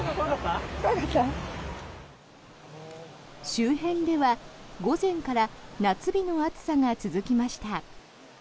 周辺では午前から夏日の暑さが続きました。